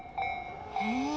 へえ。